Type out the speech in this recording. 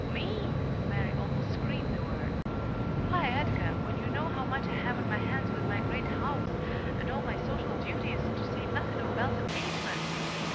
"Me!" Mary almost screamed the word. "Why, Edgar! when you know how much I have on my hands with my great house and all my social duties, to say nothing of Belle's engagement!"